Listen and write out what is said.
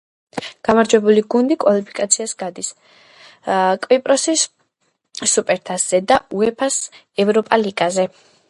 გამარჯვებული გუნდი კვალიფიკაციას გადის კვიპროსის სუპერთასზე და უეფა-ს ევროპა ლიგაზე.